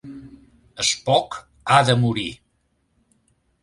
Spock ha de morir!